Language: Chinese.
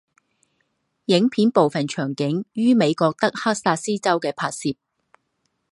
影片部分场景于美国德克萨斯州的拍摄。